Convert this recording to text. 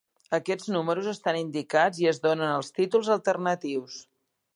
Aquests números estan indicats i es donen els títols alternatius.